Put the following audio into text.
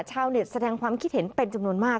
ชาวเน็ตแสดงความคิดเห็นเป็นจำนวนมาก